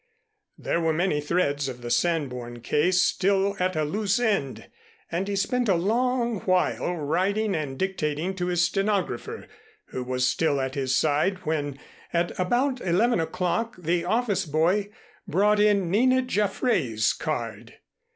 There were many threads of the Sanborn case still at a loose end and he spent a long while writing and dictating to his stenographer, who was still at his side, when, at about eleven o'clock, the office boy brought in Nina Jaffray's card.